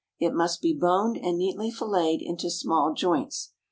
It must be boned and neatly filleted into small joints.